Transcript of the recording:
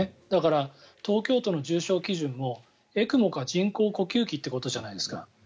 だから、東京都の重症基準もＥＣＭＯか人工呼吸器ってことじゃないですか。